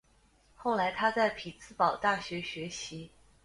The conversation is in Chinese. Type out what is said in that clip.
后来他在匹兹堡大学学习。